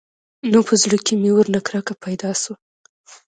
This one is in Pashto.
نو په زړه کښې مې ورنه کرکه پيدا سوه.